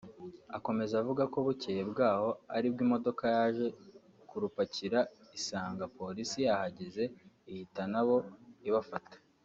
Akomeza avuga ko bukeye bw’aho ari bwo imodoka yaje kurupakira isanga polisi yahageze ihita na bo ibafata